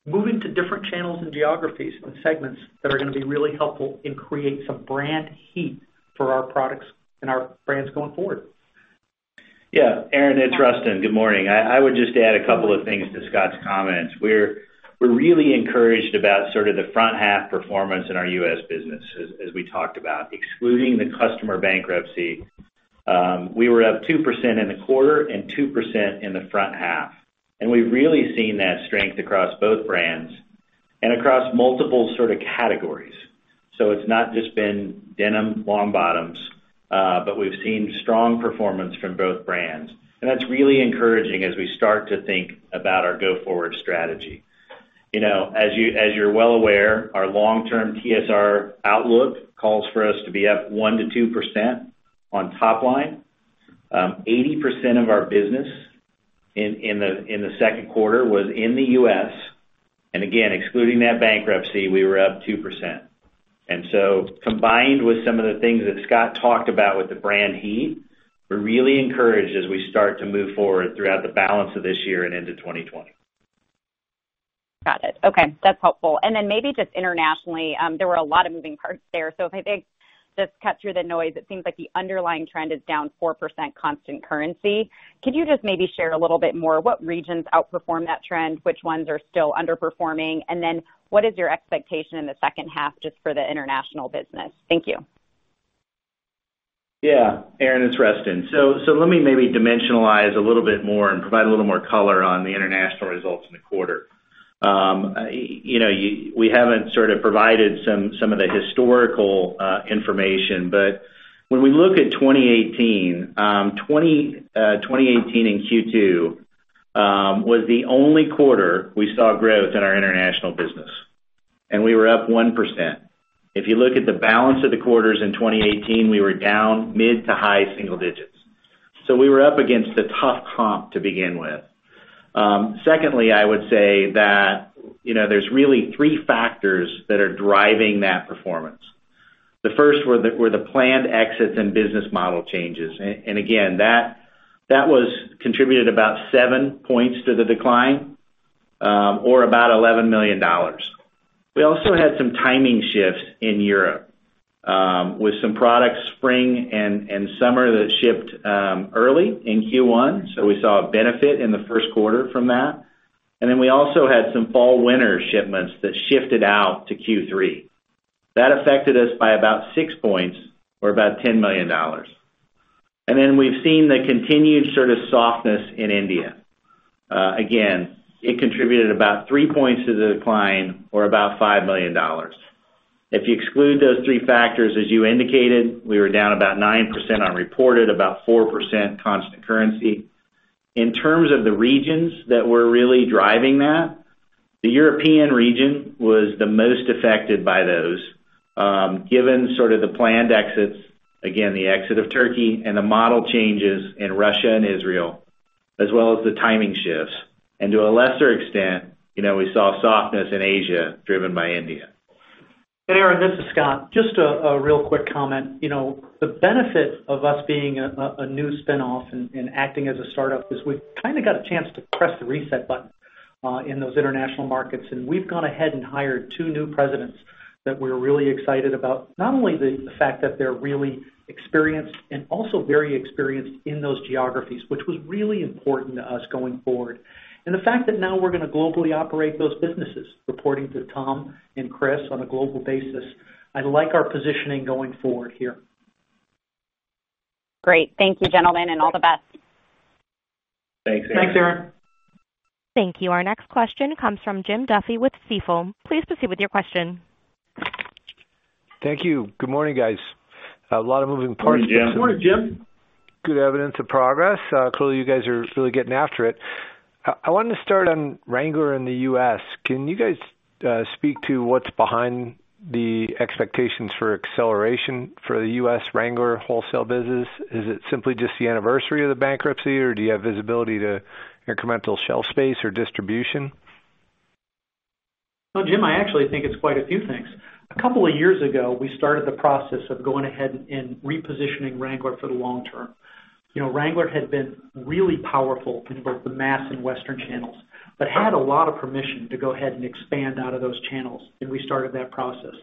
[SPEAKER 3] moving to different channels and geographies and segments that are going to be really helpful in creating some brand heat for our products and our brands going forward.
[SPEAKER 4] Erinn, it's Rustin. Good morning. I would just add a couple of things to Scott's comments. We're really encouraged about sort of the front half performance in our U.S. business, as we talked about. Excluding the customer bankruptcy, we were up 2% in the quarter and 2% in the front half. We've really seen that strength across both brands and across multiple sort of categories. It's not just been denim long bottoms, but we've seen strong performance from both brands. That's really encouraging as we start to think about our go-forward strategy. As you're well aware, our long-term TSR outlook calls for us to be up 1%-2% on top line. 80% of our business in the second quarter was in the U.S. Again, excluding that bankruptcy, we were up 2%. Combined with some of the things that Scott talked about with the brand heat, we're really encouraged as we start to move forward throughout the balance of this year and into 2020.
[SPEAKER 6] Got it. Okay, that's helpful. Maybe just internationally, there were a lot of moving parts there. If I just cut through the noise, it seems like the underlying trend is down 4% constant currency. Could you just maybe share a little bit more what regions outperform that trend, which ones are still underperforming? What is your expectation in the second half just for the international business? Thank you.
[SPEAKER 4] Yeah. Erinn, it's Rustin. Let me maybe dimensionalize a little bit more and provide a little more color on the international results in the quarter. We haven't sort of provided some of the historical information, but when we look at 2018 in Q2 was the only quarter we saw growth in our international business. We were up 1%. If you look at the balance of the quarters in 2018, we were down mid to high single digits. We were up against a tough comp to begin with. Secondly, I would say that there's really three factors that are driving that performance. The first were the planned exits and business model changes. Again, that was contributed about seven points to the decline, or about $11 million. We also had some timing shifts in Europe with some products spring and summer that shipped early in Q1. We saw a benefit in the first quarter from that. We also had some fall winter shipments that shifted out to Q3. That affected us by about 6 points or about $10 million. We've seen the continued sort of softness in India. Again, it contributed about 3 points to the decline or about $5 million. If you exclude those three factors, as you indicated, we were down about 9% on reported, about 4% constant currency. In terms of the regions that were really driving that, the European region was the most affected by those. Given sort of the planned exits, again, the exit of Turkey and the model changes in Russia and Israel, as well as the timing shifts. To a lesser extent, we saw softness in Asia driven by India.
[SPEAKER 3] Erinn, this is Scott. Just a real quick comment. The benefit of us being a new spinoff and acting as a startup is we've kind of got a chance to press the reset button in those international markets, and we've gone ahead and hired two new presidents that we're really excited about. Not only the fact that they're really experienced and also very experienced in those geographies, which was really important to us going forward. The fact that now we're going to globally operate those businesses, reporting to Tom and Chris on a global basis. I like our positioning going forward here.
[SPEAKER 6] Great. Thank you, gentlemen, and all the best.
[SPEAKER 4] Thanks, Erinn.
[SPEAKER 3] Thanks, Erinn.
[SPEAKER 1] Thank you. Our next question comes from Jim Duffy with Stifel. Please proceed with your question.
[SPEAKER 7] Thank you. Good morning, guys. A lot of moving parts.
[SPEAKER 3] Good morning, Jim.
[SPEAKER 4] Good morning, Jim.
[SPEAKER 7] Good evidence of progress. Clearly, you guys are really getting after it. I wanted to start on Wrangler in the U.S. Can you guys speak to what's behind the expectations for acceleration for the U.S. Wrangler wholesale business? Is it simply just the anniversary of the bankruptcy, or do you have visibility to incremental shelf space or distribution?
[SPEAKER 3] Well, Jim, I actually think it's quite a few things. A couple of years ago, we started the process of going ahead and repositioning Wrangler for the long term. Wrangler had been really powerful in both the mass and Western channels, but had a lot of permission to go ahead and expand out of those channels, and we started that process.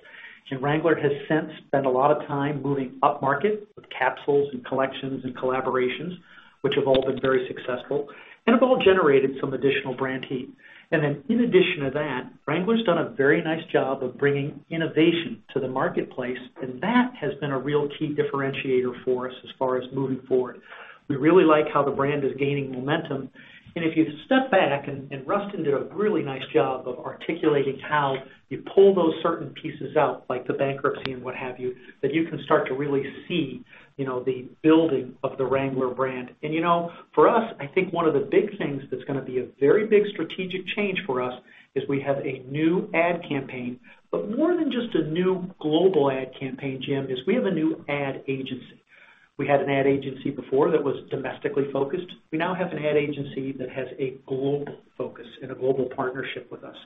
[SPEAKER 3] Wrangler has since spent a lot of time moving upmarket with capsules and collections and collaborations, which have all been very successful and have all generated some additional brand heat. Then in addition to that, Wrangler's done a very nice job of bringing innovation to the marketplace, and that has been a real key differentiator for us as far as moving forward. We really like how the brand is gaining momentum. If you step back, Rustin did a really nice job of articulating how you pull those certain pieces out, like the bankruptcy and what have you, that you can start to really see the building of the Wrangler brand. For us, I think one of the big things that's going to be a very big strategic change for us is we have a new ad campaign, but more than just a new global ad campaign, Jim, is we have a new ad agency. We had an ad agency before that was domestically focused. We now have an ad agency that has a global focus and a global partnership with us.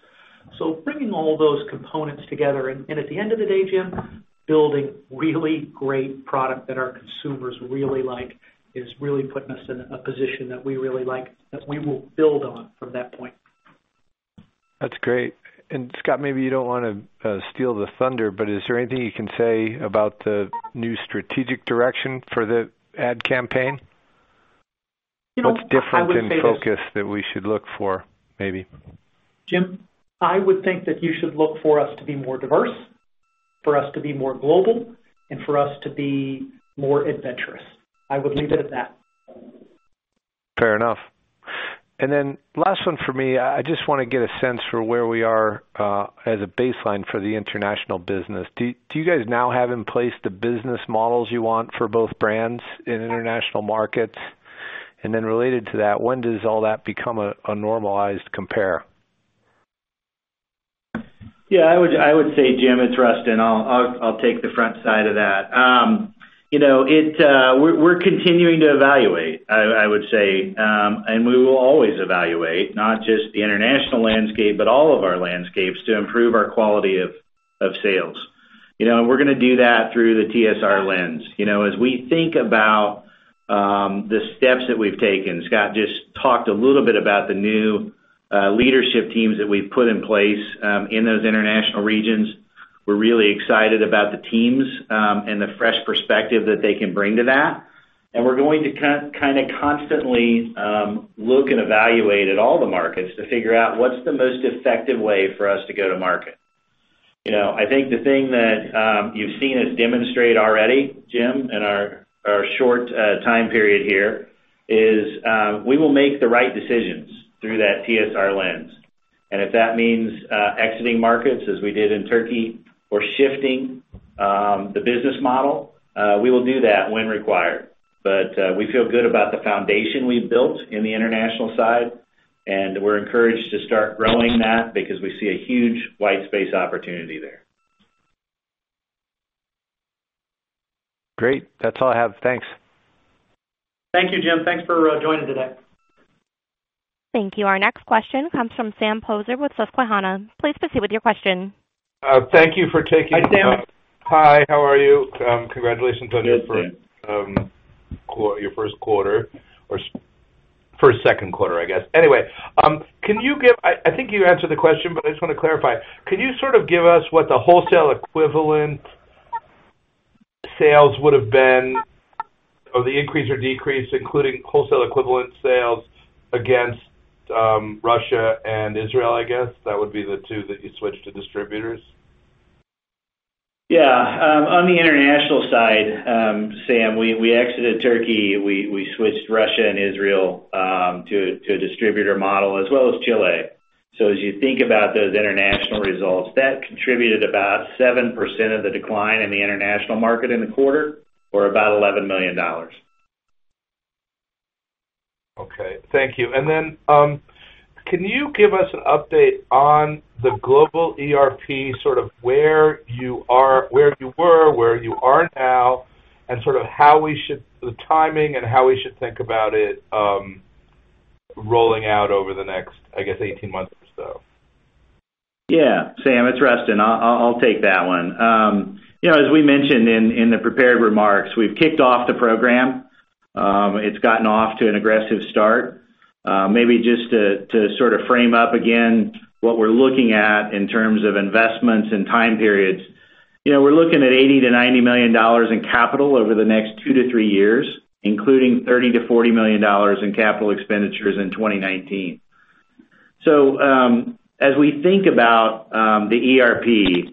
[SPEAKER 3] Bringing all those components together, and at the end of the day, Jim, building really great product that our consumers really like, is really putting us in a position that we really like, that we will build on from that point.
[SPEAKER 7] That's great. Scott, maybe you don't want to steal the thunder, but is there anything you can say about the new strategic direction for the ad campaign?
[SPEAKER 3] You know, I would say this.
[SPEAKER 7] What's different in focus that we should look for, maybe?
[SPEAKER 3] Jim, I would think that you should look for us to be more diverse, for us to be more global, and for us to be more adventurous. I would leave it at that.
[SPEAKER 7] Fair enough. Last one for me, I just want to get a sense for where we are, as a baseline for the international business. Do you guys now have in place the business models you want for both brands in international markets? Related to that, when does all that become a normalized compare?
[SPEAKER 4] Yeah, I would say, Jim, it's Rustin. I'll take the front side of that. We're continuing to evaluate, I would say, we will always evaluate, not just the international landscape, but all of our landscapes to improve our quality of sales. We're gonna do that through the TSR lens. As we think about the steps that we've taken, Scott just talked a little bit about the new leadership teams that we've put in place in those international regions. We're really excited about the teams and the fresh perspective that they can bring to that. We're gonna constantly look and evaluate at all the markets to figure out what's the most effective way for us to go to market. I think the thing that you've seen us demonstrate already, Jim, in our short time period here is, we will make the right decisions through that TSR lens. If that means exiting markets as we did in Turkey or shifting the business model, we will do that when required. We feel good about the foundation we've built in the international side, and we're encouraged to start growing that because we see a huge white space opportunity there.
[SPEAKER 7] Great. That's all I have. Thanks.
[SPEAKER 3] Thank you, Jim. Thanks for joining today.
[SPEAKER 1] Thank you. Our next question comes from Sam Poser with Susquehanna. Please proceed with your question.
[SPEAKER 8] Thank you for taking.
[SPEAKER 3] Hi, Sam.
[SPEAKER 8] Hi, how are you? Congratulations on your first-
[SPEAKER 3] Good, thanks.
[SPEAKER 8] quarter, your first quarter or first second quarter, I guess. Anyway, I think you answered the question, but I just want to clarify. Could you sort of give us what the wholesale equivalent sales would've been, or the increase or decrease, including wholesale equivalent sales against Russia and Israel, I guess? That would be the two that you switched to distributors.
[SPEAKER 4] Yeah. On the international side, Sam, we exited Turkey. We switched Russia and Israel to a distributor model as well as Chile. As you think about those international results, that contributed about 7% of the decline in the international market in the quarter, or about $11 million.
[SPEAKER 8] Okay, thank you. Can you give us an update on the global ERP, sort of where you were, where you are now, and the timing and how we should think about it rolling out over the next, I guess, 18 months or so?
[SPEAKER 4] Yeah. Sam, it's Rustin. I'll take that one. As we mentioned in the prepared remarks, we've kicked off the program. It's gotten off to an aggressive start. Maybe just to sort of frame up again what we're looking at in terms of investments and time periods. We're looking at $80 million-$90 million in capital over the next two to three years, including $30 million-$40 million in capital expenditures in 2019. As we think about the ERP,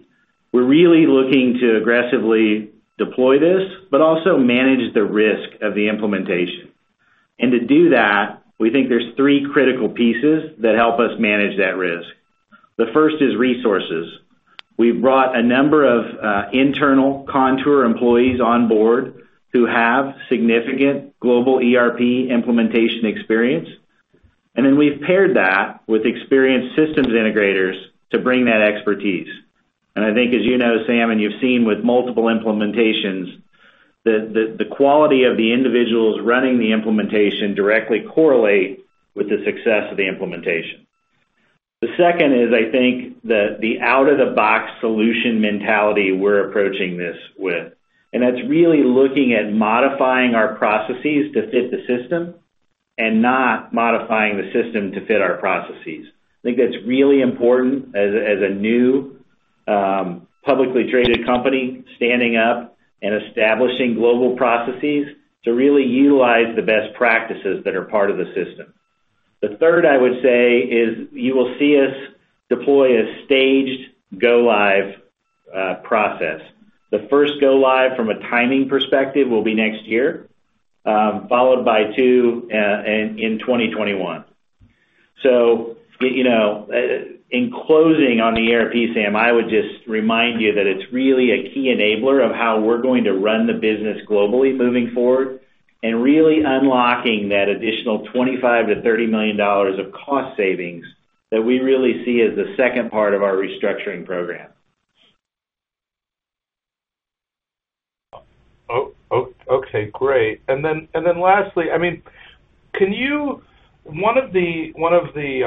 [SPEAKER 4] we're really looking to aggressively deploy this, but also manage the risk of the implementation. To do that, we think there's three critical pieces that help us manage that risk. The first is resources. We've brought a number of internal Kontoor employees on board who have significant global ERP implementation experience. Then we've paired that with experienced systems integrators to bring that expertise. I think, as you know, Sam, and you've seen with multiple implementations, that the quality of the individuals running the implementation directly correlate with the success of the implementation. The second is, I think, the out-of-the-box solution mentality we're approaching this with. That's really looking at modifying our processes to fit the system and not modifying the system to fit our processes. I think that's really important as a new, publicly traded company standing up and establishing global processes to really utilize the best practices that are part of the system. The third, I would say, is you will see us deploy a staged go-live process. The first go-live from a timing perspective will be next year, followed by two in 2021. In closing on the ERP, Sam, I would just remind you that it's really a key enabler of how we're going to run the business globally moving forward, and really unlocking that additional $25 million-$30 million of cost savings that we really see as the second part of our restructuring program.
[SPEAKER 8] Okay, great. Lastly, one of the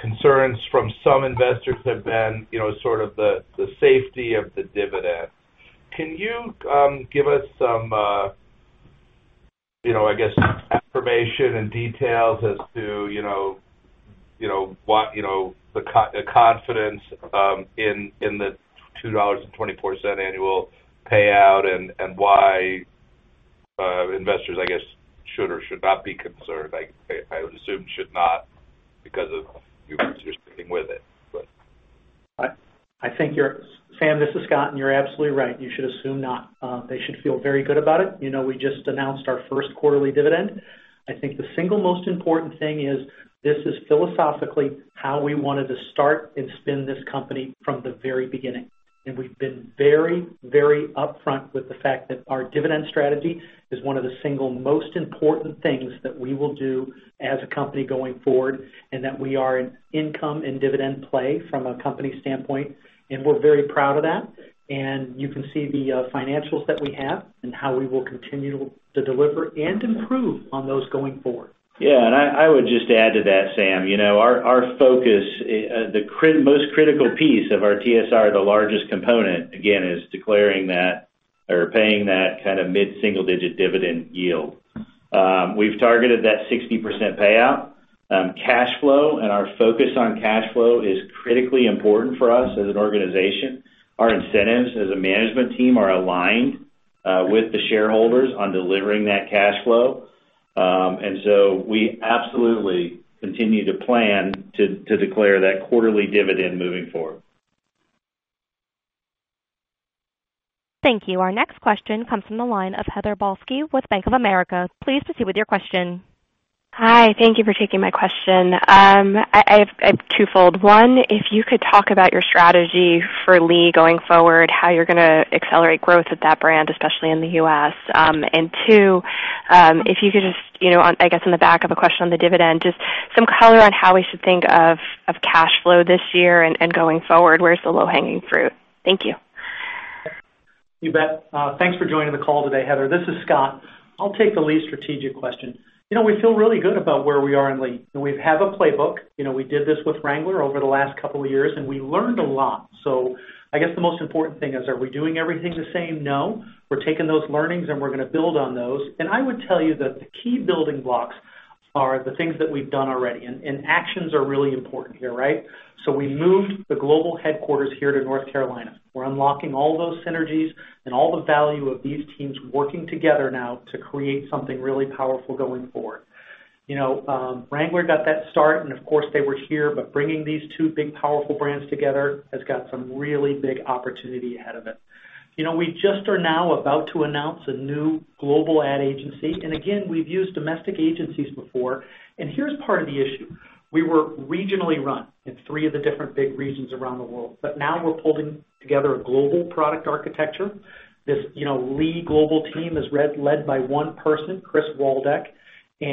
[SPEAKER 8] concerns from some investors have been sort of the safety of the dividend. Can you give us some information and details as to the confidence in the $2.24 annual payout, and why investors should or should not be concerned? I would assume should not because of you sticking with it.
[SPEAKER 3] Sam, this is Scott. You're absolutely right. You should assume not. They should feel very good about it. We just announced our first quarterly dividend. I think the single most important thing is this is philosophically how we wanted to start and spin this company from the very beginning. We've been very, very upfront with the fact that our dividend strategy is one of the single most important things that we will do as a company going forward, and that we are an income and dividend play from a company standpoint, and we're very proud of that. You can see the financials that we have and how we will continue to deliver and improve on those going forward.
[SPEAKER 4] Yeah. I would just add to that, Sam. Our focus, the most critical piece of our TSR, the largest component, again, is declaring that or paying that kind of mid-single-digit dividend yield. We've targeted that 60% payout. Cash flow and our focus on cash flow is critically important for us as an organization. Our incentives as a management team are aligned with the shareholders on delivering that cash flow. We absolutely continue to plan to declare that quarterly dividend moving forward.
[SPEAKER 1] Thank you. Our next question comes from the line of Heather Balsky with Bank of America. Please proceed with your question.
[SPEAKER 9] Hi. Thank you for taking my question. I have twofold. One, if you could talk about your strategy for Lee going forward, how you're going to accelerate growth with that brand, especially in the U.S. Two, if you could just, I guess in the back of a question on the dividend, just some color on how we should think of cash flow this year and going forward. Where's the low-hanging fruit? Thank you.
[SPEAKER 3] You bet. Thanks for joining the call today, Heather. This is Scott. I'll take the Lee strategic question. We feel really good about where we are in Lee, and we have a playbook. We did this with Wrangler over the last couple of years, and we learned a lot. I guess the most important thing is, are we doing everything the same? No. We're taking those learnings, and we're going to build on those. I would tell you that the key building blocks are the things that we've done already, and actions are really important here, right? We moved the global headquarters here to North Carolina. We're unlocking all those synergies and all the value of these teams working together now to create something really powerful going forward. Wrangler got that start, and of course, they were here, but bringing these two big, powerful brands together has got some really big opportunity ahead of it. We just are now about to announce a new global ad agency. Again, we've used domestic agencies before. Here's part of the issue. We were regionally run in three of the different big regions around the world. Now we're pulling together a global product architecture. This Lee global team is led by one person, Chris Waldeck. We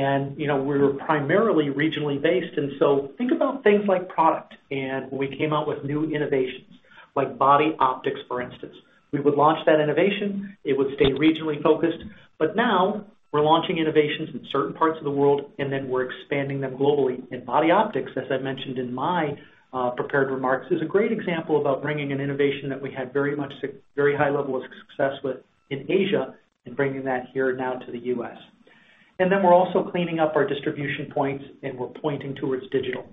[SPEAKER 3] were primarily regionally based. Think about things like product. When we came out with new innovations like Body Optix, for instance. We would launch that innovation, it would stay regionally focused. Now we're launching innovations in certain parts of the world. Then we're expanding them globally. Body Optix, as I mentioned in my prepared remarks, is a great example about bringing an innovation that we had very high level of success with in Asia and bringing that here now to the U.S. We're also cleaning up our distribution points, and we're pointing towards digital.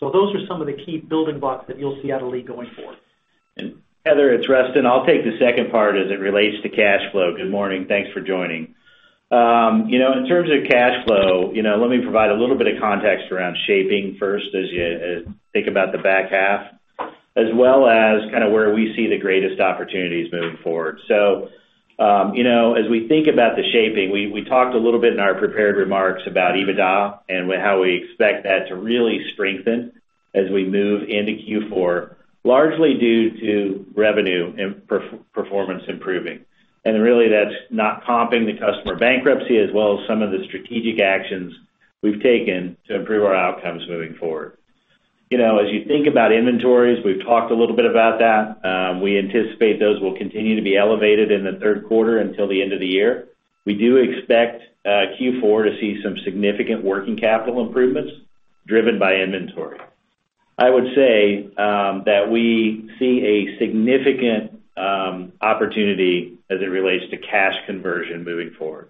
[SPEAKER 3] Those are some of the key building blocks that you'll see out of Lee going forward.
[SPEAKER 4] Heather, it's Rustin. I'll take the second part as it relates to cash flow. Good morning. Thanks for joining. In terms of cash flow, let me provide a little bit of context around shaping first as you think about the back half, as well as where we see the greatest opportunities moving forward. As we think about the shaping, we talked a little bit in our prepared remarks about EBITDA and how we expect that to really strengthen as we move into Q4, largely due to revenue and performance improving. Really that's not comping the customer bankruptcy as well as some of the strategic actions we've taken to improve our outcomes moving forward. As you think about inventories, we've talked a little bit about that. We anticipate those will continue to be elevated in the third quarter until the end of the year. We do expect Q4 to see some significant working capital improvements driven by inventory. I would say that we see a significant opportunity as it relates to cash conversion moving forward.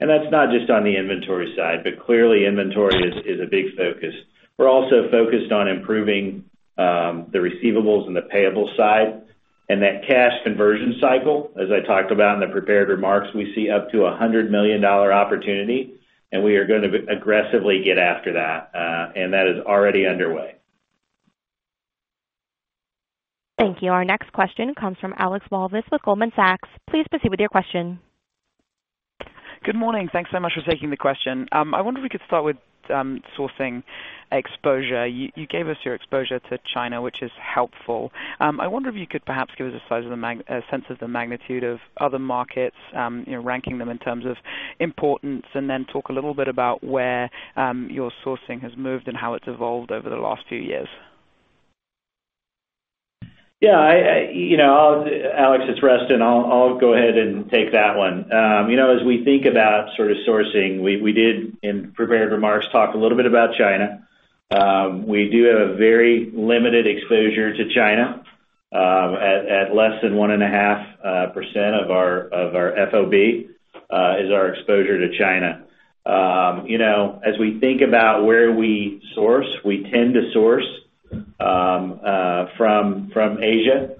[SPEAKER 4] That's not just on the inventory side, but clearly inventory is a big focus. We're also focused on improving the receivables and the payable side and that cash conversion cycle, as I talked about in the prepared remarks, we see up to $100 million opportunity, and we are going to aggressively get after that. That is already underway.
[SPEAKER 1] Thank you. Our next question comes from Alexandra Walvis with Goldman Sachs. Please proceed with your question.
[SPEAKER 10] Good morning. Thanks so much for taking the question. I wonder if we could start with sourcing exposure. You gave us your exposure to China, which is helpful. I wonder if you could perhaps give us a sense of the magnitude of other markets, ranking them in terms of importance, and then talk a little bit about where your sourcing has moved and how it's evolved over the last few years.
[SPEAKER 4] Yeah, Alex, it's Rustin. I'll go ahead and take that one. As we think about sourcing, we did, in prepared remarks, talk a little bit about China. We do have very limited exposure to China. At less than 1.5% of our FOB is our exposure to China. As we think about where we source, we tend to source from Asia,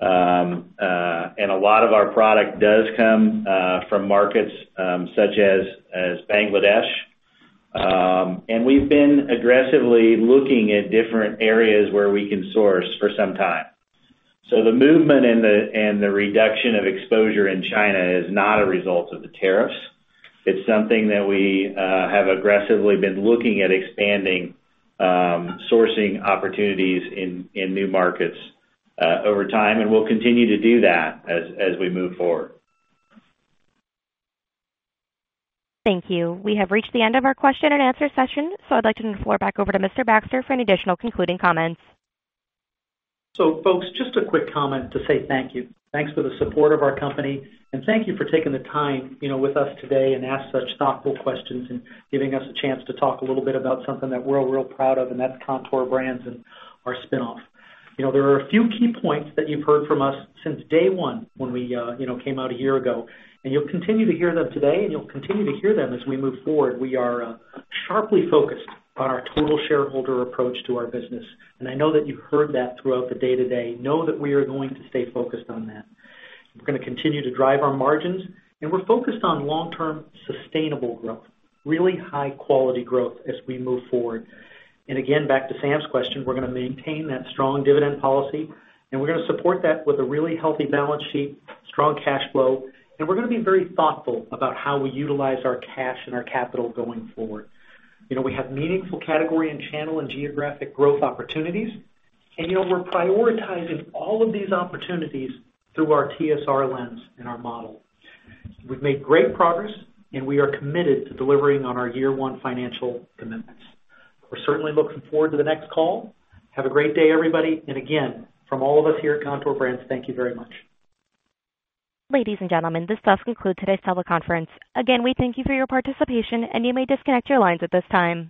[SPEAKER 4] and a lot of our product does come from markets such as Bangladesh. We've been aggressively looking at different areas where we can source for some time. The movement and the reduction of exposure in China is not a result of the tariffs. It's something that we have aggressively been looking at expanding sourcing opportunities in new markets over time, and we'll continue to do that as we move forward.
[SPEAKER 1] Thank you. We have reached the end of our question and answer session. I'd like to turn the floor back over to Mr. Baxter for any additional concluding comments.
[SPEAKER 3] Folks, just a quick comment to say thank you. Thanks for the support of our company, and thank you for taking the time with us today and ask such thoughtful questions and giving us a chance to talk a little bit about something that we're real proud of, and that's Kontoor Brands and our spinoff. There are a few key points that you've heard from us since day one when we came out a year ago, and you'll continue to hear them today, and you'll continue to hear them as we move forward. We are sharply focused on our total shareholder approach to our business, and I know that you've heard that throughout the day-to-day. Know that we are going to stay focused on that. We're going to continue to drive our margins, and we're focused on long-term sustainable growth, really high-quality growth as we move forward. Again, back to Sam's question, we're going to maintain that strong dividend policy, and we're going to support that with a really healthy balance sheet, strong cash flow, and we're going to be very thoughtful about how we utilize our cash and our capital going forward. We have meaningful category and channel and geographic growth opportunities, and we're prioritizing all of these opportunities through our TSR lens and our model. We've made great progress, and we are committed to delivering on our year one financial commitments. We're certainly looking forward to the next call. Have a great day, everybody. Again, from all of us here at Kontoor Brands, thank you very much.
[SPEAKER 1] Ladies and gentlemen, this does conclude today's teleconference. Again, we thank you for your participation, and you may disconnect your lines at this time.